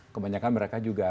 kebanyakan mereka juga